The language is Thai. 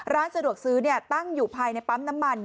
ร้านสะดวกซื้อตั้งอยู่ภายในปั๊มน้ำมัน